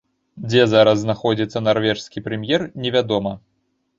Дзе зараз знаходзіцца нарвежскі прэм'ер, невядома.